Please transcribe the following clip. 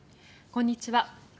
こんにちは。